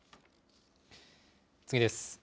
次です。